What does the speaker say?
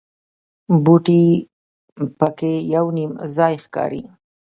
بوټي په کې یو نیم ځای ښکاري.